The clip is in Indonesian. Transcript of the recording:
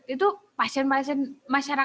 itu masyarakat itu pada ngerjakan